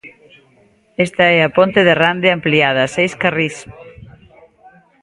Esta é a ponte de Rande ampliada, seis carrís.